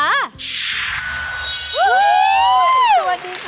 สวัสดีค่ะ